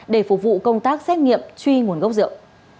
để phục vụ công tác xét nghiệm truy nguồn gốc rượu